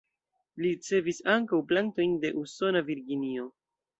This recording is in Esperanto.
Li ricevis ankaŭ plantojn de usona Virginio.